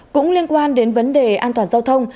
cũng liên quan đến vấn đề an toàn giao thông